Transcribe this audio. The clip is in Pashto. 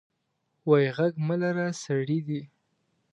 وې غږ مه لره سړي دي.